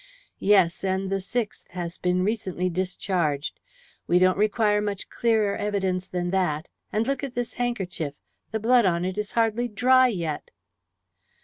"Yes, and the sixth has been recently discharged. We don't require much clearer evidence than that. And look at this handkerchief. The blood on it is hardly dry yet."